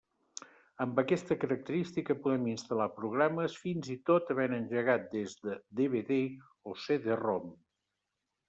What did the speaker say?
Amb aquesta característica podem instal·lar programes fins i tot havent engegat des de DVD o CD-ROM.